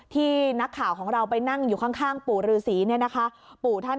ที่นักข่าวของเราไปนั่งอยู่ข้างปู่ฤษีเนี่ยนะคะ